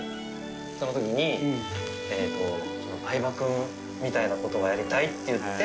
そのときに、相葉君みたいなことがやりたいって言って。